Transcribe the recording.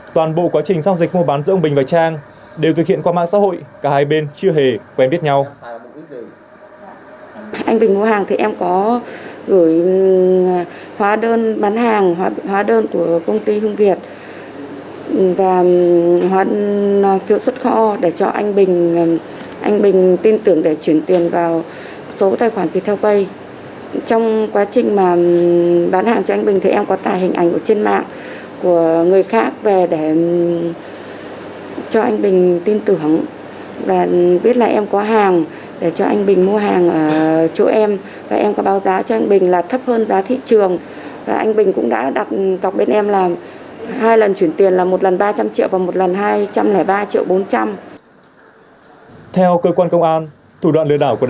toàn bộ quá trình giao dịch mua bán giữa ông bình và trang đều thực hiện qua mạng xã hội cả hai bên chưa hề quen biết nhau